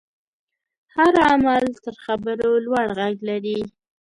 هر عمل تر خبرو لوړ غږ لري.